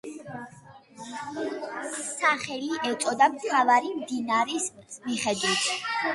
სახელი ეწოდა მთავარი მდინარის მიხედვით.